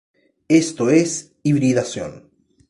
Esto es hibridación.